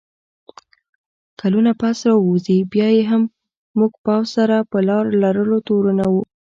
کلونه پس راووځي، بیا یې هم موږ پوځ سره په لار لرلو تورنوو